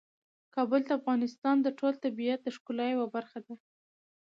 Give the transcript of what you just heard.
کابل د افغانستان د ټول طبیعت د ښکلا یوه برخه ده.